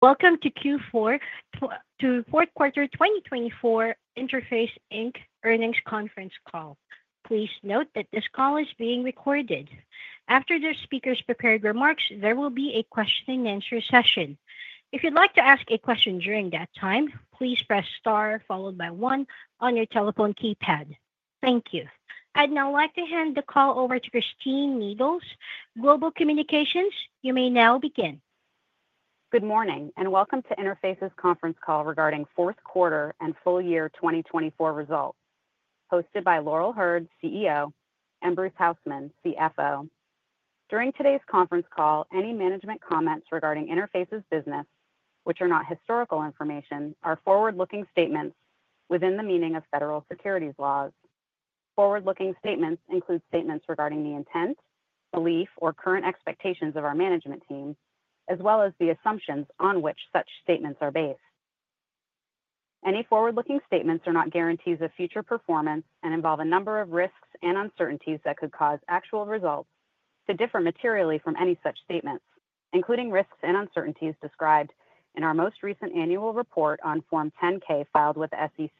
Welcome to Q4 2024 Interface Inc Earnings Conference Call. Please note that this call is being recorded. After the speakers' prepared remarks, there will be a question-and-answer session. If you'd like to ask a question during that time, please press star followed by one on your telephone keypad. Thank you. I'd now like to hand the call over to Christine Needles, Global Communications. You may now begin. Good morning and welcome to Interface's conference call regarding Fourth Quarter and Full Year 2024 Results, hosted by Laurel Hurd, CEO, and Bruce Hausmann, CFO. During today's conference call, any management comments regarding Interface's business, which are not historical information, are forward-looking statements within the meaning of federal securities laws. Forward-looking statements include statements regarding the intent, belief, or current expectations of our management team, as well as the assumptions on which such statements are based. Any forward-looking statements are not guarantees of future performance and involve a number of risks and uncertainties that could cause actual results to differ materially from any such statements, including risks and uncertainties described in our most recent annual report on Form 10-K filed with SEC.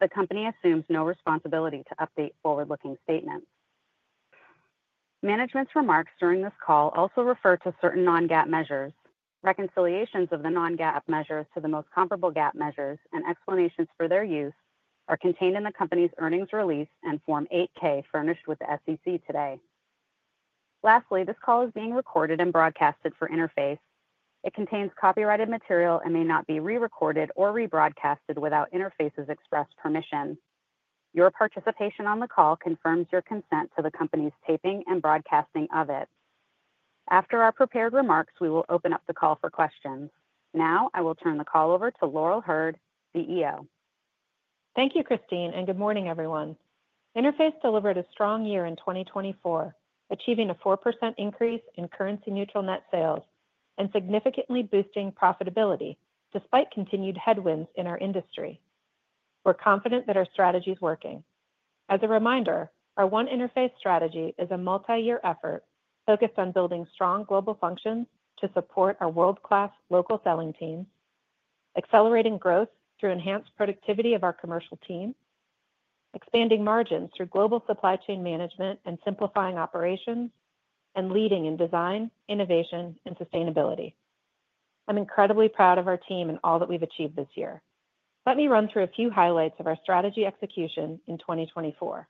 The company assumes no responsibility to update forward-looking statements. Management's remarks during this call also refer to certain non-GAAP measures. Reconciliations of the non-GAAP measures to the most comparable GAAP measures and explanations for their use are contained in the company's earnings release and Form 8-K furnished with the SEC today. Lastly, this call is being recorded and broadcasted for Interface. It contains copyrighted material and may not be re-recorded or rebroadcasted without Interface's express permission. Your participation on the call confirms your consent to the company's taping and broadcasting of it. After our prepared remarks, we will open up the call for questions. Now I will turn the call over to Laurel Hurd, CEO. Thank you, Christine, and good morning, everyone. Interface delivered a strong year in 2024, achieving a 4% increase in currency-neutral net sales and significantly boosting profitability despite continued headwinds in our industry. We're confident that our strategy is working. As a reminder, our One Interface strategy is a multi-year effort focused on building strong global functions to support our world-class local selling teams, accelerating growth through enhanced productivity of our commercial team, expanding margins through global supply chain management and simplifying operations, and leading in design, innovation, and sustainability. I'm incredibly proud of our team and all that we've achieved this year. Let me run through a few highlights of our strategy execution in 2024.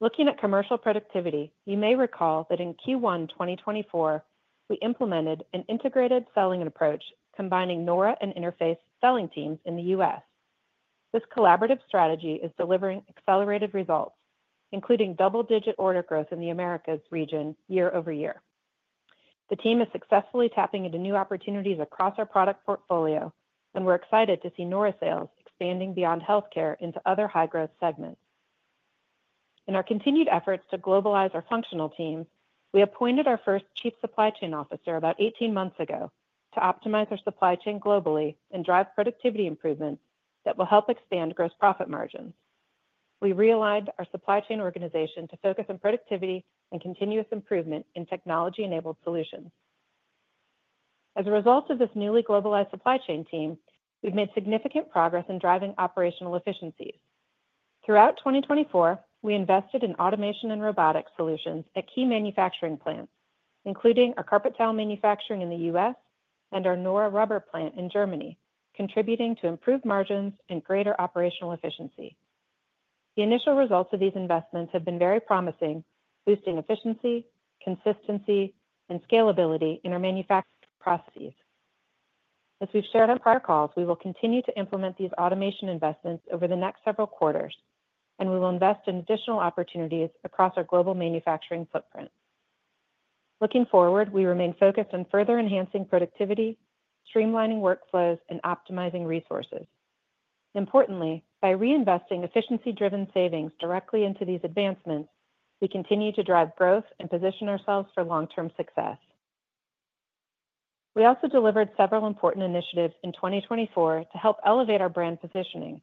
Looking at commercial productivity, you may recall that in Q1 2024, we implemented an integrated selling approach combining Nora and Interface selling teams in the U.S. This collaborative strategy is delivering accelerated results, including double-digit order growth in the Americas region year-over-year. The team is successfully tapping into new opportunities across our product portfolio, and we're excited to see Nora sales expanding beyond healthcare into other high-growth segments. In our continued efforts to globalize our functional teams, we appointed our first Chief Supply Chain Officer about 18 months ago to optimize our supply chain globally and drive productivity improvements that will help expand gross profit margins. We realigned our supply chain organization to focus on productivity and continuous improvement in technology-enabled solutions. As a result of this newly globalized supply chain team, we've made significant progress in driving operational efficiencies. Throughout 2024, we invested in automation and robotics solutions at key manufacturing plants, including our carpet tile manufacturing in the U.S. and our Nora rubber plant in Germany, contributing to improved margins and greater operational efficiency. The initial results of these investments have been very promising, boosting efficiency, consistency, and scalability in our manufacturing processes. As we've shared on prior calls, we will continue to implement these automation investments over the next several quarters, and we will invest in additional opportunities across our global manufacturing footprint. Looking forward, we remain focused on further enhancing productivity, streamlining workflows, and optimizing resources. Importantly, by reinvesting efficiency-driven savings directly into these advancements, we continue to drive growth and position ourselves for long-term success. We also delivered several important initiatives in 2024 to help elevate our brand positioning.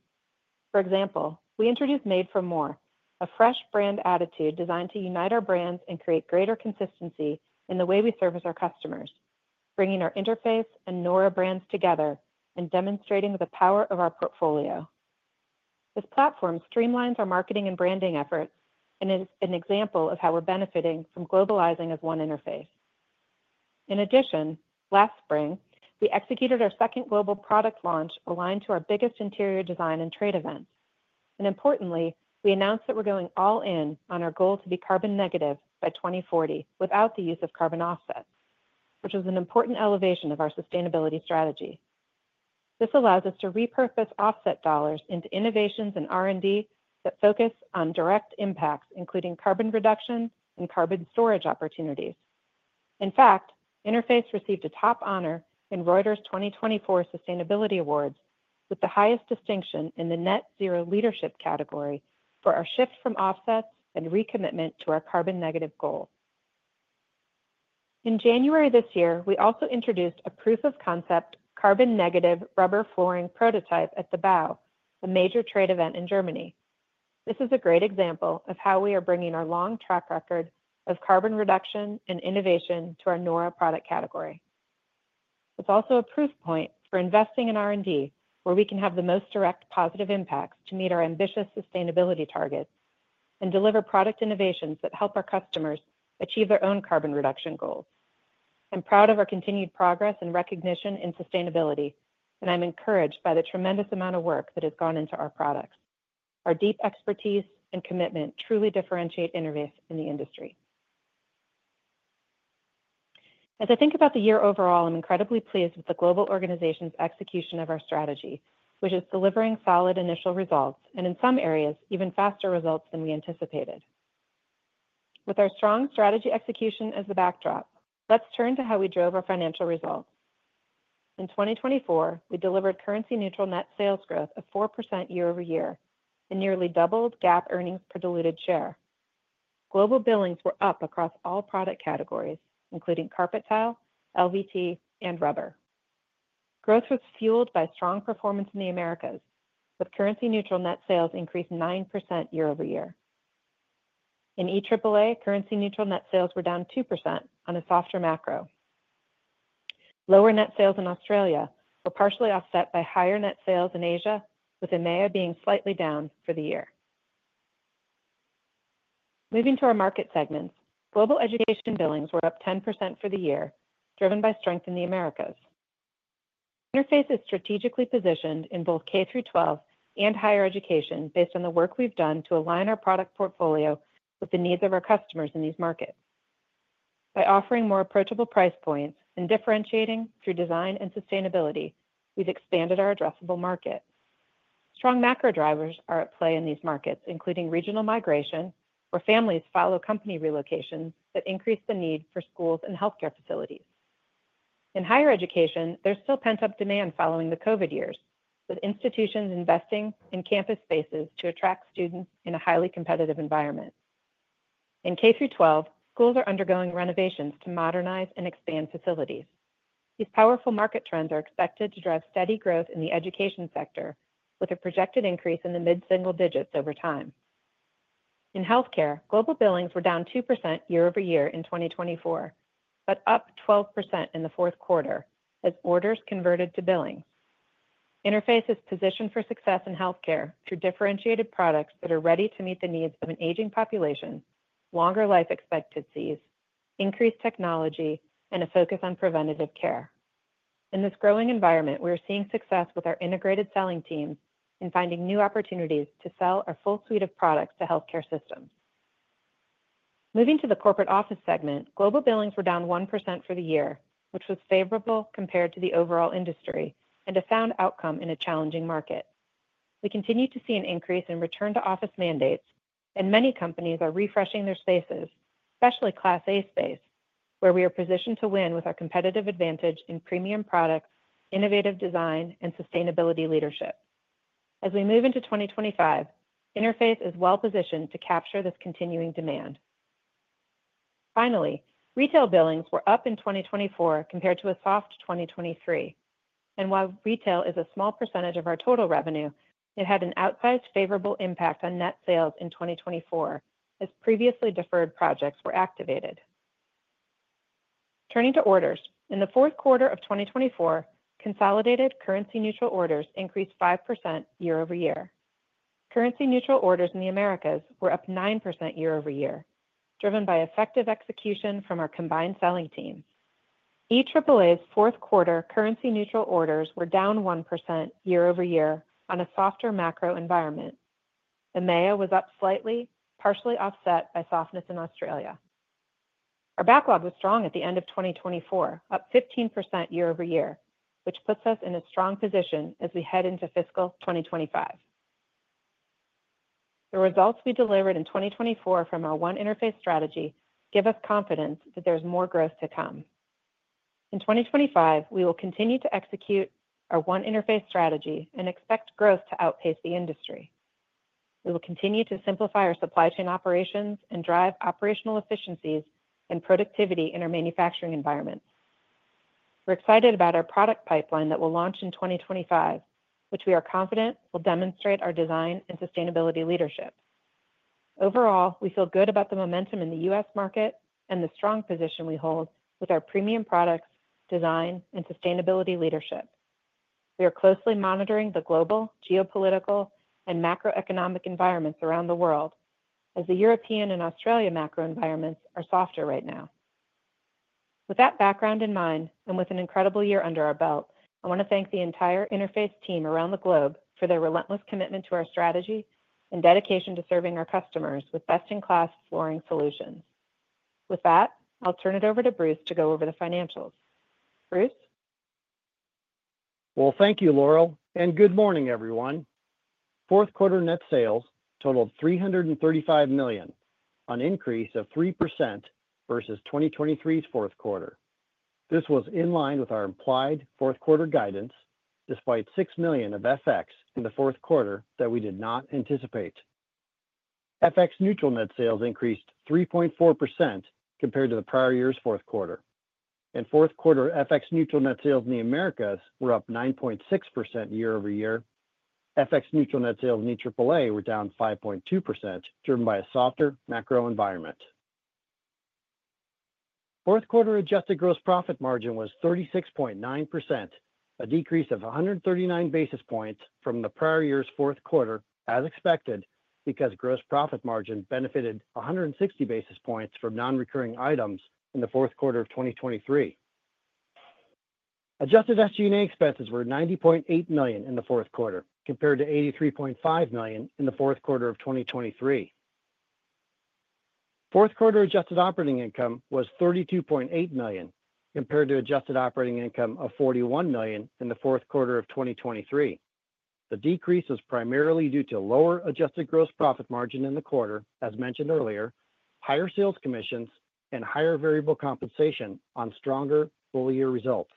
For example, we introduced Made for More, a fresh brand attitude designed to unite our brands and create greater consistency in the way we service our customers, bringing our Interface and Nora brands together and demonstrating the power of our portfolio. This platform streamlines our marketing and branding efforts and is an example of how we're benefiting from globalizing as One Interface. In addition, last spring, we executed our second global product launch aligned to our biggest interior design and trade events. Importantly, we announced that we're going all in on our goal to be carbon negative by 2040 without the use of carbon offsets, which was an important elevation of our sustainability strategy. This allows us to repurpose offset dollars into innovations and R&D that focus on direct impacts, including carbon reduction and carbon storage opportunities. In fact, Interface received a top honor in Reuters' 2024 Sustainability Awards with the highest distinction in the net-zero leadership category for our shift from offsets and recommitment to our carbon negative goal. In January this year, we also introduced a proof of concept carbon negative rubber flooring prototype at the BAU, a major trade event in Germany. This is a great example of how we are bringing our long track record of carbon reduction and innovation to our Nora product category. It's also a proof point for investing in R&D, where we can have the most direct positive impacts to meet our ambitious sustainability targets and deliver product innovations that help our customers achieve their own carbon reduction goals. I'm proud of our continued progress and recognition in sustainability, and I'm encouraged by the tremendous amount of work that has gone into our products. Our deep expertise and commitment truly differentiate Interface in the industry. As I think about the year overall, I'm incredibly pleased with the global organization's execution of our strategy, which is delivering solid initial results and, in some areas, even faster results than we anticipated. With our strong strategy execution as the backdrop, let's turn to how we drove our financial results. In 2024, we delivered currency-neutral net sales growth of 4% year-over-year and nearly doubled GAAP earnings per diluted share. Global billings were up across all product categories, including carpet tile, LVT, and rubber. Growth was fueled by strong performance in the Americas, with currency-neutral net sales increasing 9% year-over-year. In EAAA, currency-neutral net sales were down 2% on a softer macro. Lower net sales in Australia were partially offset by higher net sales in Asia, with EMEA being slightly down for the year. Moving to our market segments, global education billings were up 10% for the year, driven by strength in the Americas. Interface is strategically positioned in both K-12 and higher education based on the work we've done to align our product portfolio with the needs of our customers in these markets. By offering more approachable price points and differentiating through design and sustainability, we've expanded our addressable market. Strong macro drivers are at play in these markets, including regional migration, where families follow company relocations that increase the need for schools and healthcare facilities. In higher education, there's still pent-up demand following the COVID years, with institutions investing in campus spaces to attract students in a highly competitive environment. In K-12, schools are undergoing renovations to modernize and expand facilities. These powerful market trends are expected to drive steady growth in the education sector, with a projected increase in the mid-single-digits over time. In healthcare, global billings were down 2% year-over-year in 2024, but up 12% in the fourth quarter as orders converted to billings. Interface is positioned for success in healthcare through differentiated products that are ready to meet the needs of an aging population, longer life expectancies, increased technology, and a focus on preventative care. In this growing environment, we are seeing success with our integrated selling teams in finding new opportunities to sell our full suite of products to healthcare systems. Moving to the corporate office segment, global billings were down 1% for the year, which was favorable compared to the overall industry and a sound outcome in a challenging market. We continue to see an increase in return-to-office mandates, and many companies are refreshing their spaces, especially Class A space, where we are positioned to win with our competitive advantage in premium products, innovative design, and sustainability leadership. As we move into 2025, Interface is well-positioned to capture this continuing demand. Finally, retail billings were up in 2024 compared to a soft 2023, and while retail is a small percentage of our total revenue, it had an outsized favorable impact on net sales in 2024 as previously deferred projects were activated. Turning to orders, in the fourth quarter of 2024, consolidated currency-neutral orders increased 5% year-over-year. Currency-neutral orders in the Americas were up 9% year-over-year, driven by effective execution from our combined selling teams. EAAA's fourth quarter currency-neutral orders were down 1% year-over-year on a softer macro environment. EMEA was up slightly, partially offset by softness in Australia. Our backlog was strong at the end of 2024, up 15% year-over-year, which puts us in a strong position as we head into fiscal 2025. The results we delivered in 2024 from our One Interface strategy give us confidence that there's more growth to come. In 2025, we will continue to execute our One Interface strategy and expect growth to outpace the industry. We will continue to simplify our supply chain operations and drive operational efficiencies and productivity in our manufacturing environments. We're excited about our product pipeline that will launch in 2025, which we are confident will demonstrate our design and sustainability leadership. Overall, we feel good about the momentum in the U.S. market and the strong position we hold with our premium products, design, and sustainability leadership. We are closely monitoring the global, geopolitical, and macroeconomic environments around the world as the European and Australian macro environments are softer right now. With that background in mind and with an incredible year under our belt, I want to thank the entire Interface team around the globe for their relentless commitment to our strategy and dedication to serving our customers with best-in-class flooring solutions. With that, I'll turn it over to Bruce to go over the financials. Bruce? Thank you, Laurel, and good morning, everyone. Fourth quarter net sales totaled $335 million, an increase of 3% versus 2023's fourth quarter. This was in line with our implied fourth quarter guidance, despite $6 million of FX in the fourth quarter that we did not anticipate. FX-neutral net sales increased 3.4% compared to the prior year's fourth quarter. In fourth quarter, FX-neutral net sales in the Americas were up 9.6% year-over-year. FX-neutral net sales in EAAA were down 5.2%, driven by a softer macro environment. Fourth quarter adjusted gross profit margin was 36.9%, a decrease of 139 basis points from the prior year's fourth quarter, as expected, because gross profit margin benefited 160 basis points from non-recurring items in the fourth quarter of 2023. Adjusted SG&A expenses were $90.8 million in the fourth quarter, compared to $83.5 million in the fourth quarter of 2023. Fourth quarter adjusted operating income was $32.8 million compared to adjusted operating income of $41 million in the fourth quarter of 2023. The decrease was primarily due to lower adjusted gross profit margin in the quarter, as mentioned earlier, higher sales commissions, and higher variable compensation on stronger full-year results.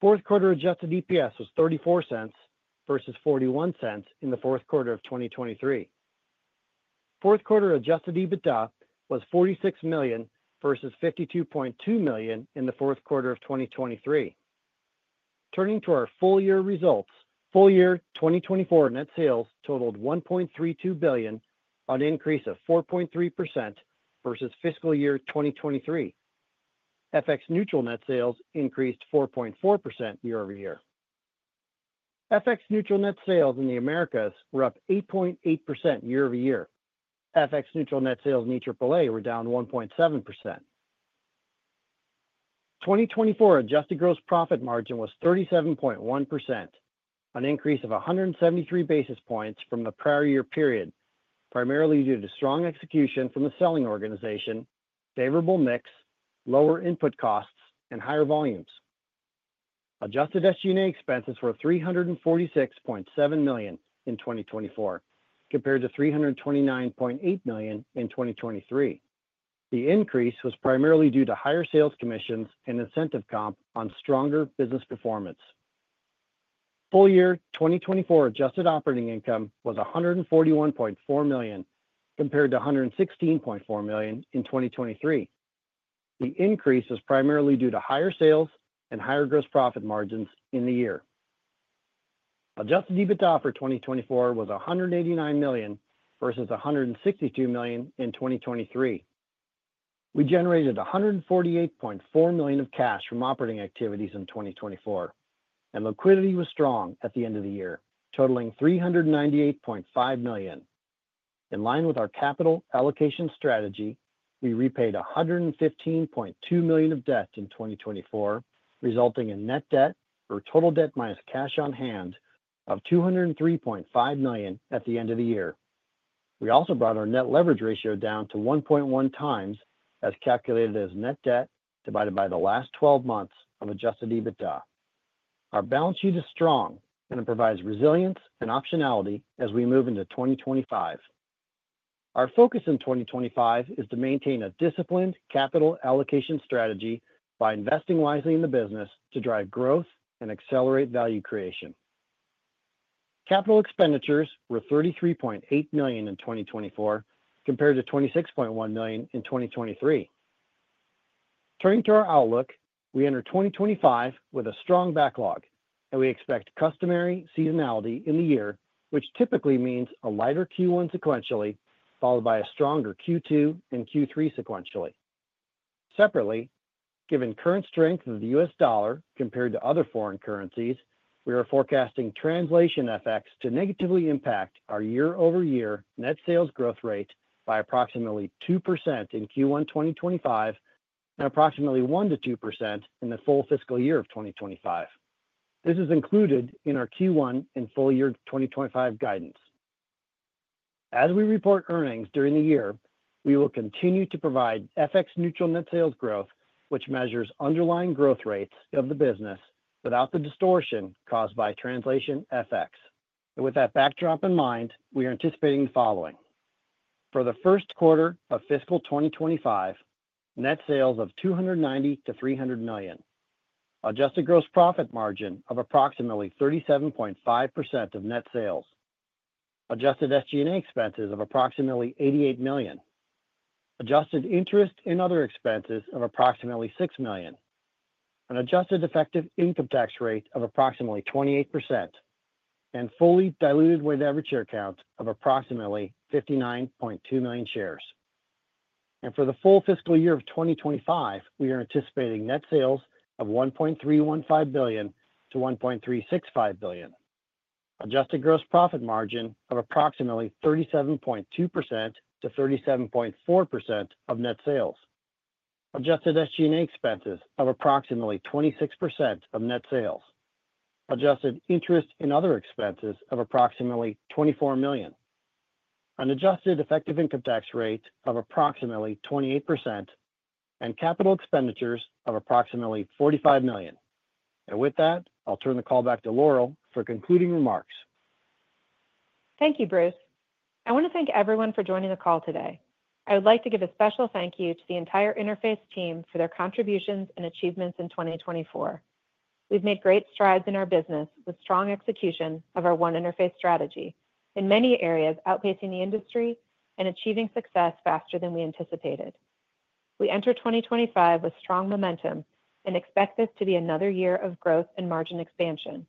Fourth quarter adjusted EPS was $0.34 versus $0.41 in the fourth quarter of 2023. Fourth quarter adjusted EBITDA was $46 million versus $52.2 million in the fourth quarter of 2023. Turning to our full-year results, full-year 2024 net sales totaled $1.32 billion, an increase of 4.3% versus fiscal year 2023. FX-neutral net sales increased 4.4% year-over-year. FX-neutral net sales in the Americas were up 8.8% year-over-year. FX-neutral net sales in EAAA were down 1.7%. 2024 adjusted gross profit margin was 37.1%, an increase of 173 basis points from the prior year period, primarily due to strong execution from the selling organization, favorable mix, lower input costs, and higher volumes. Adjusted SG&A expenses were $346.7 million in 2024, compared to $329.8 million in 2023. The increase was primarily due to higher sales commissions and incentive comp on stronger business performance. Full-year 2024 adjusted operating income was $141.4 million, compared to $116.4 million in 2023. The increase was primarily due to higher sales and higher gross profit margins in the year. Adjusted EBITDA for 2024 was $189 million versus $162 million in 2023. We generated $148.4 million of cash from operating activities in 2024, and liquidity was strong at the end of the year, totaling $398.5 million. In line with our capital allocation strategy, we repaid $115.2 million of debt in 2024, resulting in net debt, or total debt minus cash on hand, of $203.5 million at the end of the year. We also brought our net leverage ratio down to 1.1x, as calculated as net debt divided by the last 12 months of Adjusted EBITDA. Our balance sheet is strong, and it provides resilience and optionality as we move into 2025. Our focus in 2025 is to maintain a disciplined capital allocation strategy by investing wisely in the business to drive growth and accelerate value creation. Capital expenditures were $33.8 million in 2024, compared to $26.1 million in 2023. Turning to our outlook, we enter 2025 with a strong backlog, and we expect customary seasonality in the year, which typically means a lighter Q1 sequentially, followed by a stronger Q2 and Q3 sequentially. Separately, given current strength of the U.S. dollar compared to other foreign currencies, we are forecasting translation FX to negatively impact our year-over-year net sales growth rate by approximately 2% in Q1 2025 and approximately 1%-2% in the full fiscal year of 2025. This is included in our Q1 and full-year 2025 guidance. As we report earnings during the year, we will continue to provide FX-neutral net sales growth, which measures underlying growth rates of the business without the distortion caused by translation FX. With that backdrop in mind, we are anticipating the following: for the first quarter of fiscal 2025, net sales of $290 million-$300 million, adjusted gross profit margin of approximately 37.5% of net sales, adjusted SG&A expenses of approximately $88 million, adjusted interest and other expenses of approximately $6 million, an adjusted effective income tax rate of approximately 28%, and fully diluted weighted average share count of approximately 59.2 million shares. And for the full fiscal year of 2025, we are anticipating net sales of $1.315 billion-$1.365 billion, adjusted gross profit margin of approximately 37.2%-37.4% of net sales, adjusted SG&A expenses of approximately 26% of net sales, adjusted interest and other expenses of approximately $24 million, an adjusted effective income tax rate of approximately 28%, and capital expenditures of approximately $45 million, and with that, I'll turn the call back to Laurel for concluding remarks. Thank you, Bruce. I want to thank everyone for joining the call today. I would like to give a special thank you to the entire Interface team for their contributions and achievements in 2024. We've made great strides in our business with strong execution of our One Interface strategy in many areas, outpacing the industry and achieving success faster than we anticipated. We enter 2025 with strong momentum and expect this to be another year of growth and margin expansion.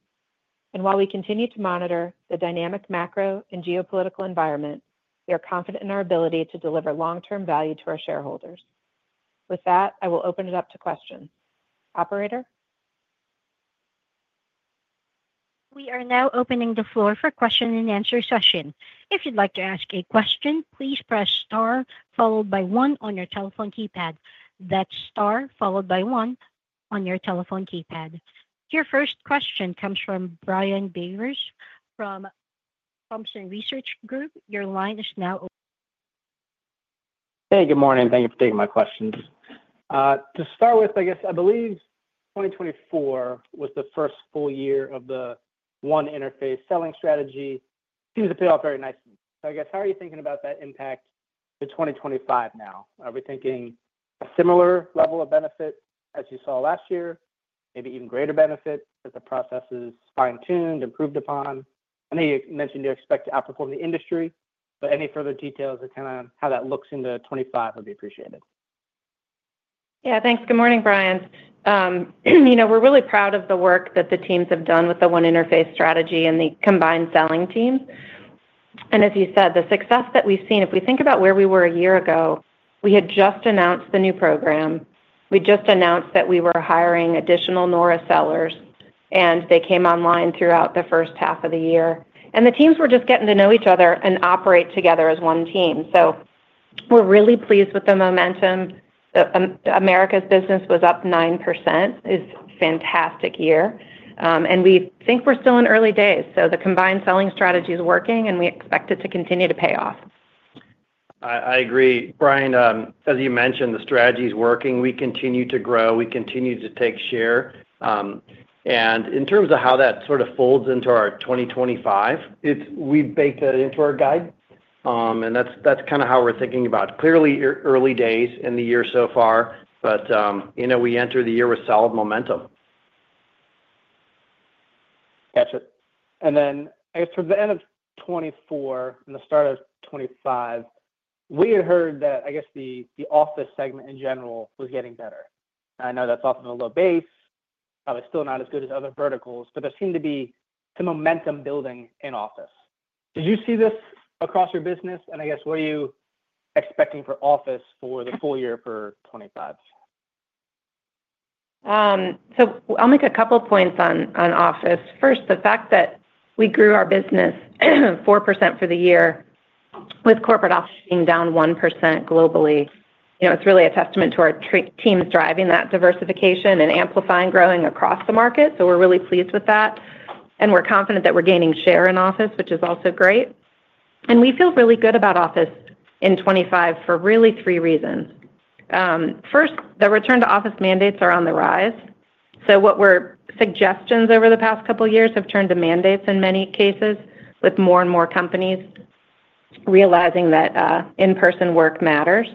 And while we continue to monitor the dynamic macro and geopolitical environment, we are confident in our ability to deliver long-term value to our shareholders. With that, I will open it up to questions. Operator? We are now opening the floor for question-and-answer session. If you'd like to ask a question, please press star followed by one on your telephone keypad. That's star followed by one on your telephone keypad. Your first question comes from Brian Biros from Thompson Research Group. Your line is now. Hey, good morning. Thank you for taking my questions. To start with, I guess I believe 2024 was the first full year of the One Interface selling strategy. Things have paid off very nicely. So I guess, how are you thinking about that impact for 2025 now? Are we thinking a similar level of benefit as you saw last year, maybe even greater benefit as the process is fine-tuned, improved upon? I know you mentioned you expect to outperform the industry, but any further details of kind of how that looks into 2025 would be appreciated. Yeah, thanks. Good morning, Brian. You know, we're really proud of the work that the teams have done with the One Interface strategy and the combined selling teams. And as you said, the success that we've seen, if we think about where we were a year ago, we had just announced the new program. We just announced that we were hiring additional Nora sellers, and they came online throughout the first half of the year. And the teams were just getting to know each other and operate together as one team. So we're really pleased with the momentum. America's business was up 9%. It's a fantastic year. And we think we're still in early days. So the combined selling strategy is working, and we expect it to continue to pay off. I agree. Brian, as you mentioned, the strategy is working. We continue to grow. We continue to take share. And in terms of how that sort of folds into our 2025, we baked that into our guide. And that's kind of how we're thinking about it. Clearly, early days in the year so far, but we entered the year with solid momentum. Gotcha. And then, I guess, toward the end of 2024 and the start of 2025, we had heard that, I guess, the office segment in general was getting better. I know that's often a low base, probably still not as good as other verticals, but there seemed to be some momentum building in office. Did you see this across your business? And I guess, what are you expecting for office for the full year for 2025? So I'll make a couple of points on office. First, the fact that we grew our business 4% for the year with corporate office being down 1% globally, it's really a testament to our team's driving that diversification and amplifying growing across the market. So we're really pleased with that. And we're confident that we're gaining share in office, which is also great. And we feel really good about office in 2025 for really three reasons. First, the return-to-office mandates are on the rise. So what we've been suggesting over the past couple of years have turned to mandates in many cases, with more and more companies realizing that in-person work matters.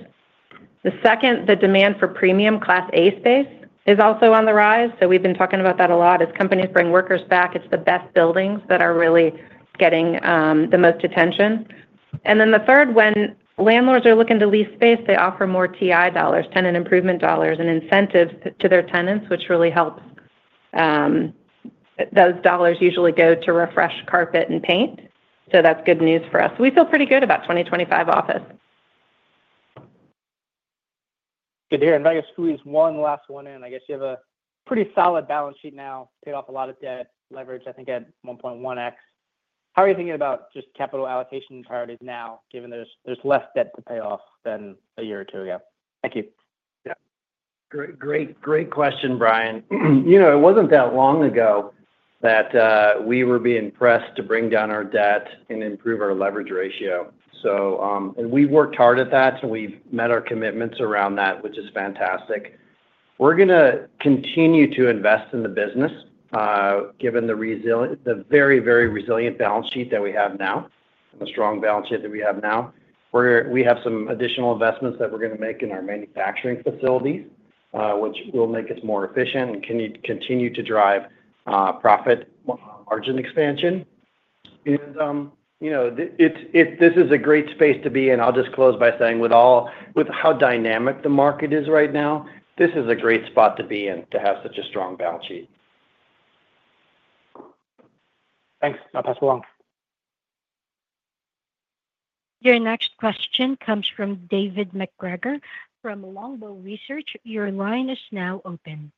The second, the demand for premium Class A space. Is also on the rise, so we've been talking about that a lot. As companies bring workers back, it's the best buildings that are really getting the most attention. And then the third, when landlords are looking to lease space, they offer more TI dollars, tenant improvement dollars, and incentives to their tenants, which really helps. Those dollars usually go to refresh carpet and paint. So that's good news for us. We feel pretty good about 2025 office. Good to hear. And I guess, squeeze one last one in. I guess you have a pretty solid balance sheet now, paid off a lot of debt, leverage, I think, at 1.1x. How are you thinking about just capital allocation priorities now, given there's less debt to pay off than a year or two ago? Thank you. Yeah. Great, great question, Brian. You know, it wasn't that long ago that we were being pressed to bring down our debt and improve our leverage ratio, and we've worked hard at that, and we've met our commitments around that, which is fantastic. We're going to continue to invest in the business, given the very, very resilient balance sheet that we have now, the strong balance sheet that we have now. We have some additional investments that we're going to make in our manufacturing facilities, which will make us more efficient and continue to drive profit margin expansion, and this is a great space to be in. I'll just close by saying, with how dynamic the market is right now, this is a great spot to be in to have such a strong balance sheet. Thanks. I'll pass it along. Your next question comes from David MacGregor from Longbow Research. Your line is now open.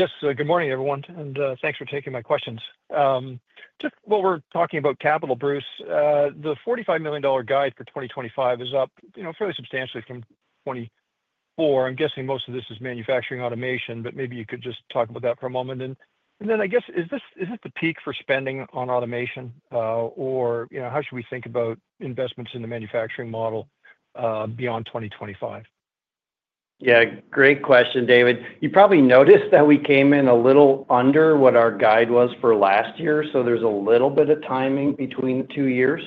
Yes. Good morning, everyone. And thanks for taking my questions. Just while we're talking about capital, Bruce, the $45 million guide for 2025 is up fairly substantially from 2024. I'm guessing most of this is manufacturing automation, but maybe you could just talk about that for a moment. And then, I guess, is this the peak for spending on automation or how should we think about investments in the manufacturing model beyond 2025? Yeah. Great question, David. You probably noticed that we came in a little under what our guide was for last year. So there's a little bit of timing between the two years.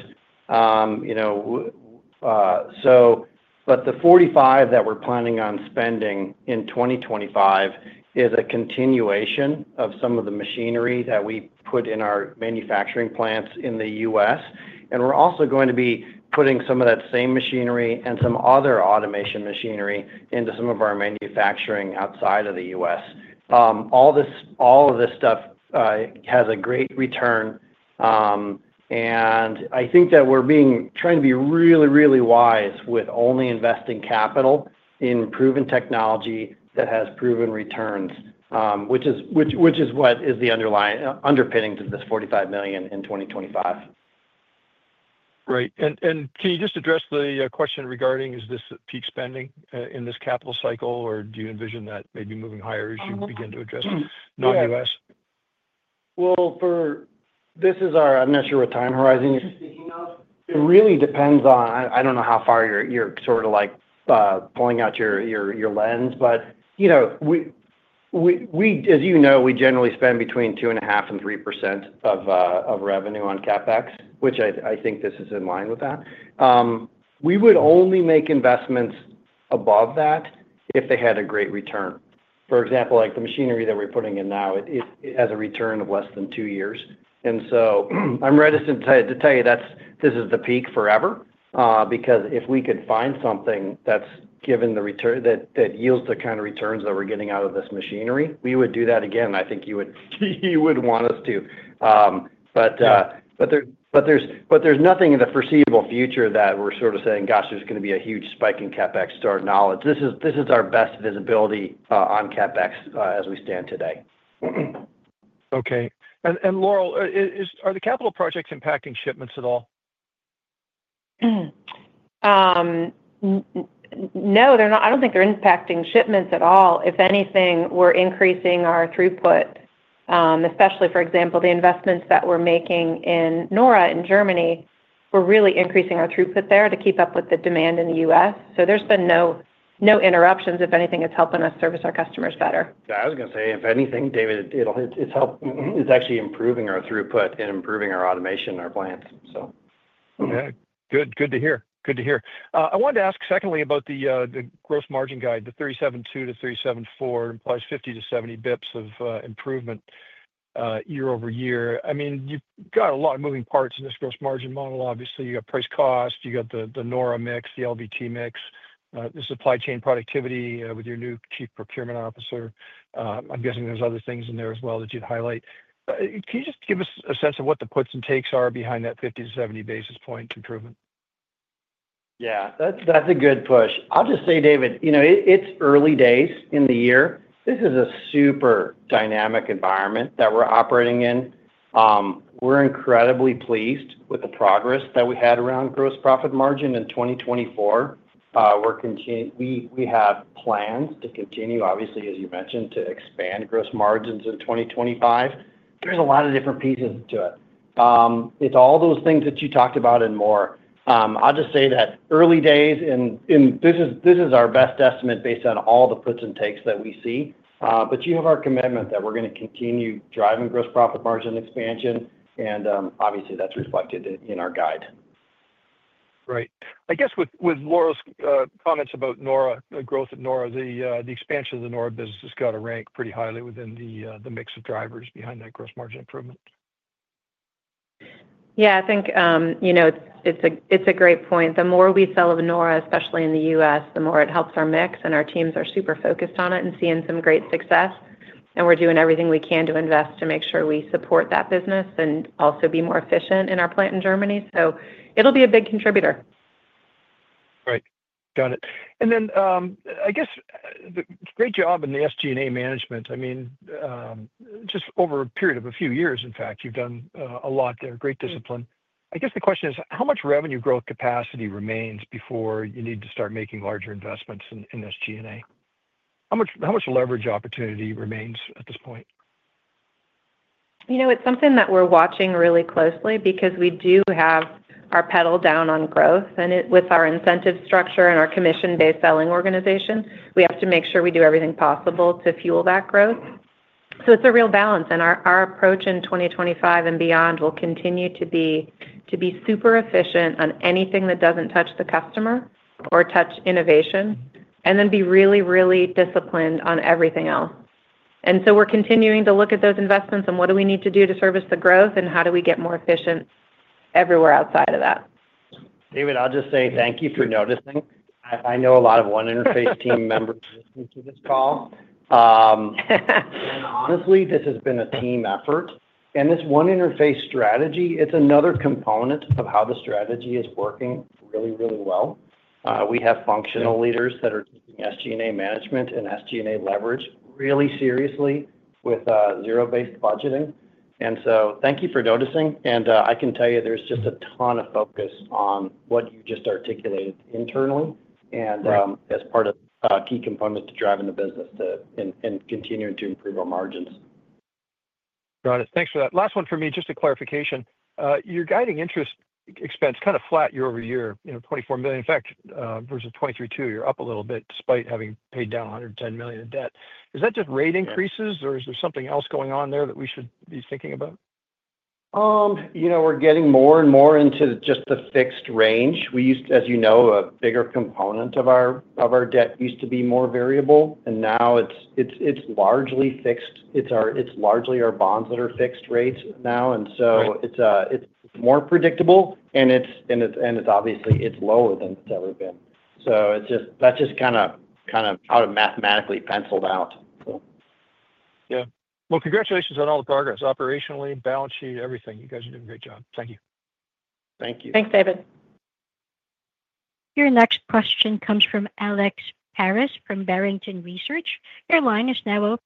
But the $45 million that we're planning on spending in 2025 is a continuation of some of the machinery that we put in our manufacturing plants in the U.S. And we're also going to be putting some of that same machinery and some other automation machinery into some of our manufacturing outside of the U.S. All of this stuff has a great return. And I think that we're trying to be really, really wise with only investing capital in proven technology that has proven returns, which is what is the underpinning to this $45 million in 2025. Great. And can you just address the question regarding, is this peak spending in this capital cycle, or do you envision that maybe moving higher as you begin to address non-US? I'm not sure what time horizon you're speaking of. It really depends on, I don't know how far you're sort of pulling out your lens. But as you know, we generally spend between 2.5% and 3% of revenue on CapEx, which I think this is in line with that. We would only make investments above that if they had a great return. For example, the machinery that we're putting in now, it has a return of less than two years. And so I'm reticent to tell you this is the peak forever, because if we could find something that's given the return that yields the kind of returns that we're getting out of this machinery, we would do that again. I think you would want us to. But there's nothing in the foreseeable future that we're sort of saying, "Gosh, there's going to be a huge spike in CapEx to our knowledge." This is our best visibility on CapEx as we stand today. Okay. And Laurel, are the capital projects impacting shipments at all? No, they're not. I don't think they're impacting shipments at all. If anything, we're increasing our throughput, especially, for example, the investments that we're making in Nora in Germany. We're really increasing our throughput there to keep up with the demand in the U.S. So there's been no interruptions. If anything, it's helping us service our customers better. I was going to say, if anything, David, it's actually improving our throughput and improving our automation in our plants, so. Okay. Good to hear. Good to hear. I wanted to ask secondly about the gross margin guide, the 37.2%-37.4%, implies 50-70 basis points of improvement year-over-year. I mean, you've got a lot of moving parts in this gross margin model. Obviously, you've got price-cost, you've got the Nora mix, the LVT mix, the supply chain productivity with your new chief procurement officer. I'm guessing there's other things in there as well that you'd highlight. Can you just give us a sense of what the puts and takes are behind that 50-70 basis points improvement? Yeah. That's a good push. I'll just say, David, it's early days in the year. This is a super dynamic environment that we're operating in. We're incredibly pleased with the progress that we had around gross profit margin in 2024. We have plans to continue, obviously, as you mentioned, to expand gross margins in 2025. There's a lot of different pieces to it. It's all those things that you talked about and more. I'll just say that early days, and this is our best estimate based on all the puts and takes that we see, but you have our commitment that we're going to continue driving gross profit margin expansion, and obviously that's reflected in our guide. Great. I guess with Laurel's comments about Nora, the growth of Nora, the expansion of the Nora business has got to rank pretty highly within the mix of drivers behind that gross margin improvement. Yeah. I think it's a great point. The more we sell of Nora, especially in the U.S., the more it helps our mix, and our teams are super focused on it and seeing some great success. And we're doing everything we can to invest to make sure we support that business and also be more efficient in our plant in Germany. So it'll be a big contributor. Great. Got it. And then, I guess, great job in the SG&A management. I mean, just over a period of a few years, in fact, you've done a lot there. Great discipline. I guess the question is, how much revenue growth capacity remains before you need to start making larger investments in SG&A? How much leverage opportunity remains at this point? You know, it's something that we're watching really closely because we do have our pedal down on growth. And with our incentive structure and our commission-based selling organization, we have to make sure we do everything possible to fuel that growth. So it's a real balance. And our approach in 2025 and beyond will continue to be super efficient on anything that doesn't touch the customer or touch innovation, and then be really, really disciplined on everything else. And so we're continuing to look at those investments and what do we need to do to service the growth, and how do we get more efficient everywhere outside of that? David, I'll just say thank you for noticing. I know a lot of One Interface team members listening to this call, and honestly, this has been a team effort, and this One Interface strategy, it's another component of how the strategy is working really, really well. We have functional leaders that are taking SG&A management and SG&A leverage really seriously with zero-based budgeting, and so thank you for noticing, and I can tell you there's just a ton of focus on what you just articulated internally and as part of key components to driving the business and continuing to improve our margins. Got it. Thanks for that. Last one for me, just a clarification. Your guiding interest expense kind of flat year-over-year, $24 million. In fact, versus 2023, 2022, you're up a little bit despite having paid down $110 million in debt. Is that just rate increases, or is there something else going on there that we should be thinking about? We're getting more and more into just the fixed range. As you know, a bigger component of our debt used to be more variable. And now it's largely fixed. It's largely our bonds that are fixed rates now. And so it's more predictable. And obviously, it's lower than it's ever been. So that's just kind of how it mathematically penciled out, so. Yeah. Well, congratulations on all the progress operationally, balance sheet, everything. You guys are doing a great job. Thank you. Thank you. Thanks, David. Your next question comes from Alex Paris from Barrington Research. Your line is now open.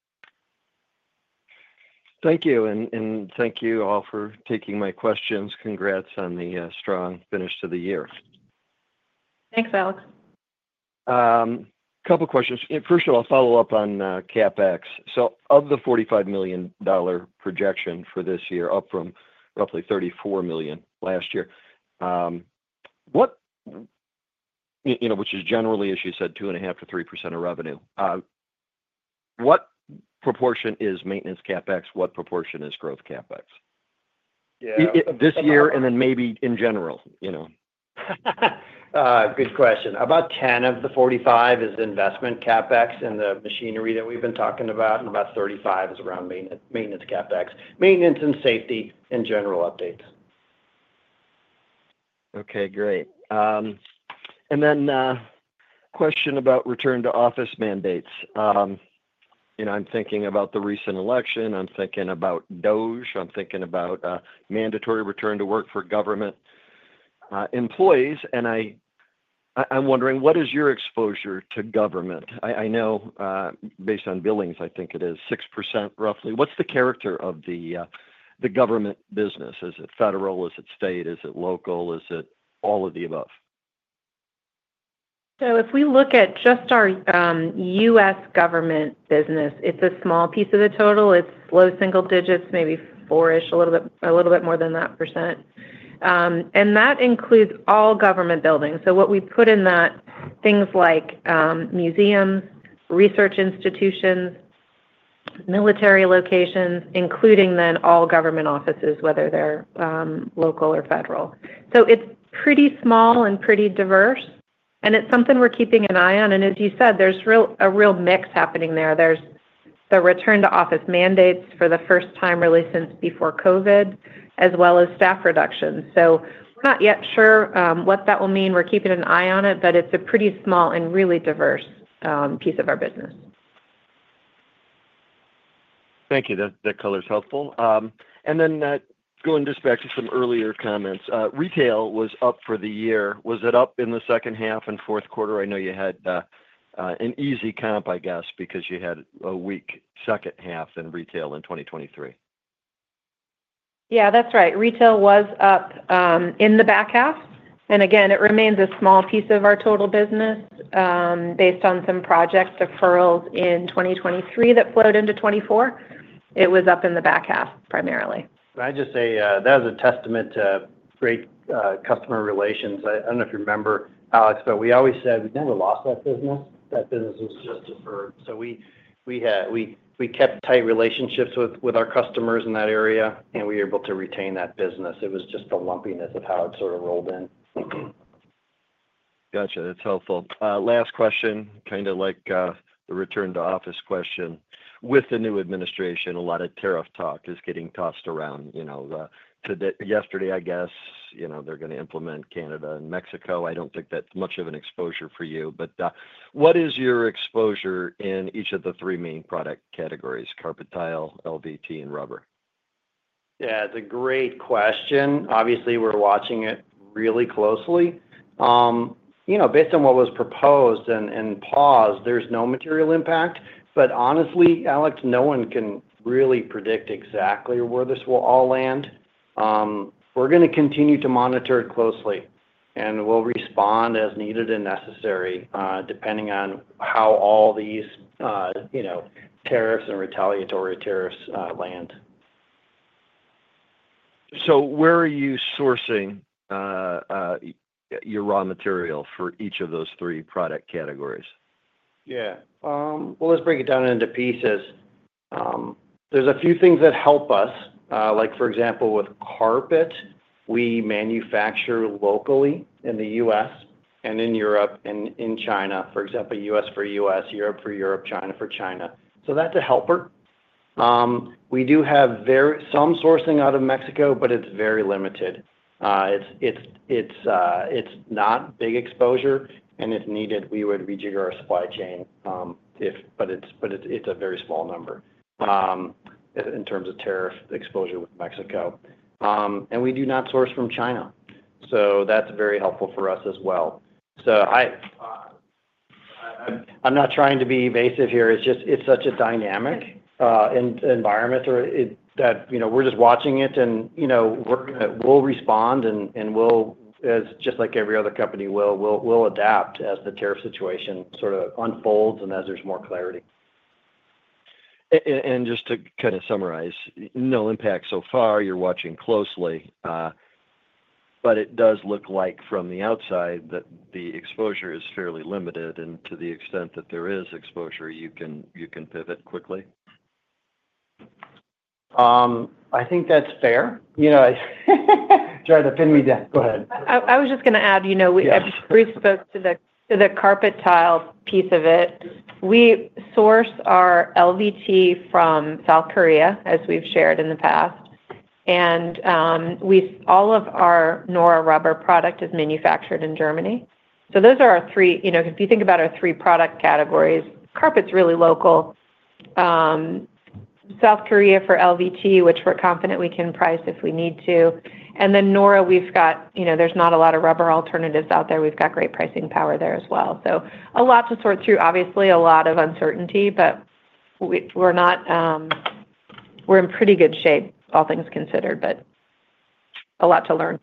Thank you. And thank you all for taking my questions. Congrats on the strong finish to the year. Thanks, Alex. A couple of questions. First of all, I'll follow up on CapEx. So of the $45 million projection for this year, up from roughly $34 million last year, which is generally, as you said, 2.5%-3% of revenue. What proportion is maintenance CapEx? What proportion is growth CapEx? Yeah. This year and then maybe in general? Good question. About 10 of the 45 is investment CapEx and the machinery that we've been talking about, and about 35 is around maintenance CapEx, maintenance and safety and general updates. Okay. Great. And then a question about return to office mandates. I'm thinking about the recent election. I'm thinking about DOGE. I'm thinking about mandatory return to work for government employees. And I'm wondering, what is your exposure to government? I know, based on billings, I think it is 6%, roughly. What's the character of the government business? Is it federal? Is it state? Is it local? Is it all of the above? So if we look at just our U.S. government business, it's a small piece of the total. It's low-single-digits, maybe 4%-ish, a little bit more than that percent. And that includes all government buildings. So what we put in that, things like museums, research institutions, military locations, including then all government offices, whether they're local or federal. So it's pretty small and pretty diverse. And it's something we're keeping an eye on. And as you said, there's a real mix happening there. There's the return to office mandates for the first time really since before COVID, as well as staff reductions. So we're not yet sure what that will mean. We're keeping an eye on it, but it's a pretty small and really diverse piece of our business. Thank you. That color is helpful. And then going just back to some earlier comments, retail was up for the year. Was it up in the second half and fourth quarter? I know you had an easy comp, I guess, because you had a weak second half in retail in 2023. Yeah, that's right. Retail was up in the back half, and again, it remains a small piece of our total business based on some project deferrals in 2023 that flowed into 2024. It was up in the back half primarily. I'd just say that was a testament to great customer relations. I don't know if you remember, Alex, but we always said we never lost that business. That business was just deferred. So we kept tight relationships with our customers in that area, and we were able to retain that business. It was just the lumpiness of how it sort of rolled in. Gotcha. That's helpful. Last question, kind of like the return to office question. With the new administration, a lot of tariff talk is getting tossed around. Yesterday, I guess, they're going to implement Canada and Mexico. I don't think that's much of an exposure for you. But what is your exposure in each of the three main product categories: carpet tile, LVT, and rubber? Yeah. It's a great question. Obviously, we're watching it really closely. Based on what was proposed and paused, there's no material impact. But honestly, Alex, no one can really predict exactly where this will all land. We're going to continue to monitor it closely, and we'll respond as needed and necessary depending on how all these tariffs and retaliatory tariffs land. So where are you sourcing your raw material for each of those three product categories? Yeah. Well, let's break it down into pieces. There's a few things that help us. For example, with carpet, we manufacture locally in the U.S. and in Europe and in China. For example, U.S. for U.S., Europe for Europe, China for China. So that's a helper. We do have some sourcing out of Mexico, but it's very limited. It's not big exposure. And if needed, we would rejigger our supply chain. But it's a very small number in terms of tariff exposure with Mexico. And we do not source from China. So that's very helpful for us as well. So I'm not trying to be evasive here. It's such a dynamic environment that we're just watching it. And we'll respond. And just like every other company will, we'll adapt as the tariff situation sort of unfolds and as there's more clarity. And just to kind of summarize, no impact so far. You're watching closely. But it does look like from the outside that the exposure is fairly limited. And to the extent that there is exposure, you can pivot quickly. I think that's fair. Trying to pin me down. Go ahead. I was just going to add, we spoke to the carpet tile piece of it. We source our LVT from South Korea, as we've shared in the past. And all of our Nora rubber product is manufactured in Germany. So those are our three, if you think about our three product categories, carpet's really local, South Korea for LVT, which we're confident we can price if we need to. And then Nora, we've got there's not a lot of rubber alternatives out there. We've got great pricing power there as well. So a lot to sort through. Obviously, a lot of uncertainty. But we're in pretty good shape, all things considered. But a lot to learn.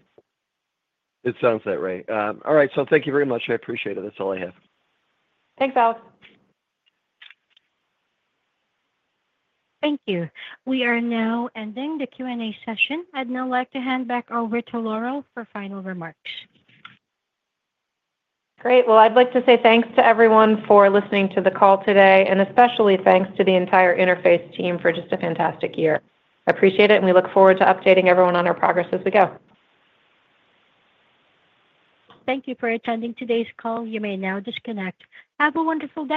It sounds that way. All right. So thank you very much. I appreciate it. That's all I have. Thanks, Alex. Thank you. We are now ending the Q&A session. I'd now like to hand back over to Laurel for final remarks. Great. Well, I'd like to say thanks to everyone for listening to the call today and especially thanks to the entire Interface team for just a fantastic year. I appreciate it, and we look forward to updating everyone on our progress as we go. Thank you for attending today's call. You may now disconnect. Have a wonderful day.